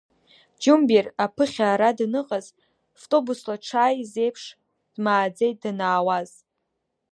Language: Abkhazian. Џьумбер аԥыхьа ара даныҟаз, втобусла дшааз еиԥш, дмааӡеит, данаауаз.